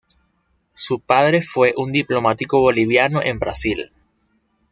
Su padre fue un diplomático boliviano en Brasil.